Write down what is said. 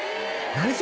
何？